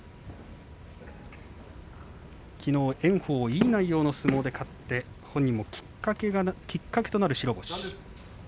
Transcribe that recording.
きのうは炎鵬をいい内容の相撲で勝って本人もきっかけとなる白星。